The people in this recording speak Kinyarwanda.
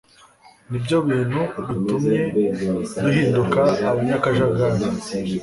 nibyo bintu bitumye duhinduka abanya kajagari